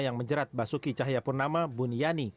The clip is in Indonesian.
yang menjerat basuki cahayapurnama buniani